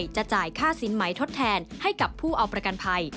จะจ่ายค่าสินไหมทดแทนให้กับผู้เอาประกันภัย